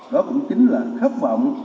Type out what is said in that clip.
đó cũng chính là khát vọng